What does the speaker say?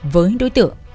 với đối tượng